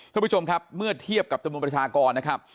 ท่านผู้ชมครับเมื่อเทียบกับจำนวนประชากรนะครับ